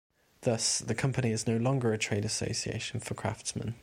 Thus, the Company is no longer a trade association for craftsmen.